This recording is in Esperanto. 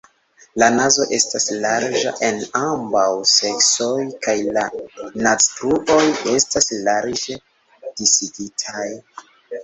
La nazo estas larĝa en ambaŭ seksoj kaj la naztruoj estas larĝe disigitaj.